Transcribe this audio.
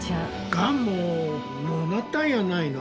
ガンものうなったんやないの？